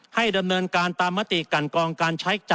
ให้ดำเนินการตามตีการกรรมการใช้ค่ะ